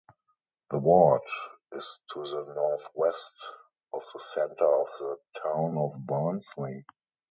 The ward is to the northwest of the centre of the town of Barnsley.